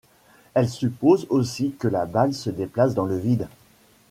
Elle suppose aussi que la balle se déplace dans le vide.